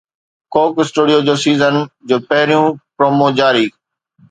ڪوڪ اسٽوڊيو جو سيزن جو پهريون پرومو جاري